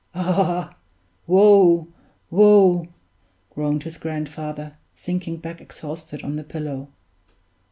"Ah! woe! woe!" groaned his grandfather, sinking back exhausted on the pillow.